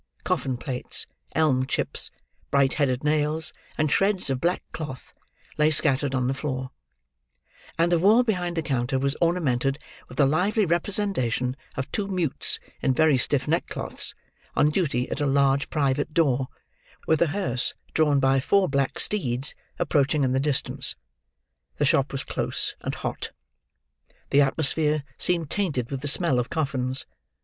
Coffin plates, elm chips, bright headed nails, and shreds of black cloth, lay scattered on the floor; and the wall behind the counter was ornamented with a lively representation of two mutes in very stiff neckcloths, on duty at a large private door, with a hearse drawn by four black steeds, approaching in the distance. The shop was close and hot. The atmosphere seemed tainted with the smell of coffins.